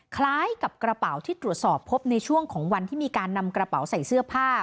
คล้ายกับกระเป๋าที่ตรวจสอบพบในช่วงของวันที่มีการนำกระเป๋าใส่เสื้อผ้า